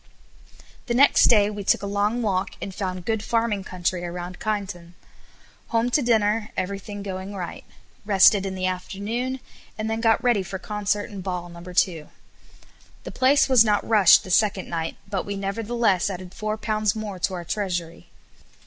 The next day we took a long walk; and found good farming country around Kyneton. Home to dinner, everything going right. Rested in the afternoon, and then got ready for concert and ball No. 2. The place was not rushed the second night, but we nevertheless added four pounds more to our treasury.